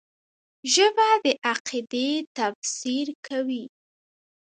ژبه د عقیدې تفسیر کوي